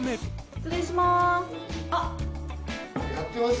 失礼します！